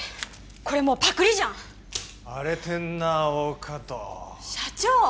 これもうパクりじゃん荒れてんなあ大加戸社長